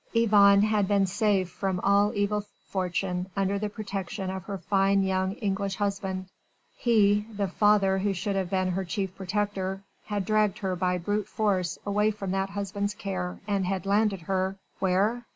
Yvonne had been safe from all evil fortune under the protection of her fine young English husband; he the father who should have been her chief protector had dragged her by brute force away from that husband's care and had landed her ... where?...